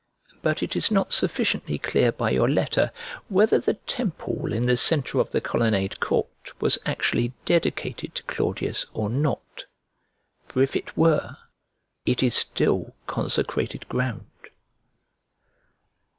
But it is not sufficiently clear by your letter whether the temple in the centre of the colonnade court was actually dedicated to Claudius or not; for if it were, it is still consecrated ground.